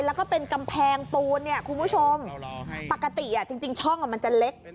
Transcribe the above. แล้วก็เป็นกำแพงปูนเนี่ยคุณผู้ชมปกติจริงช่องมันจะเล็ก